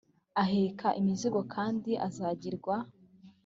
aheke imizigo kandi azagirwa